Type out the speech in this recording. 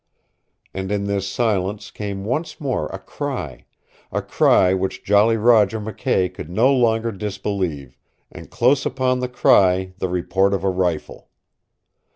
And in this silence came once more a cry a cry which Jolly Roger McKay could no longer disbelieve, and close upon the cry the report of a rifle.